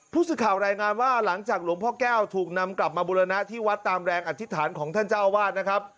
ผู้สื่อข่าวรายงานว่าหลังจากหลวงพ่อแก้วถูกนำกลับมาบุรณะที่วัดตามแรงอธิษฐานของท่านเจ้าวาดนะครับ